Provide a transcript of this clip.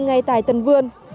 ngay tại tầng vườn